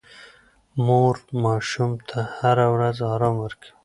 مور ماشوم ته هره ورځ ارام ورکوي.